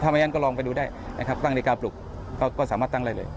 ไม่งั้นก็ลองไปดูได้นะครับตั้งนาฬิกาปลุกก็สามารถตั้งได้เลย